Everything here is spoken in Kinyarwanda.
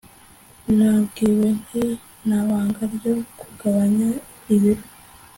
nabwiwe nti nta banga ryo kugabanya ibiro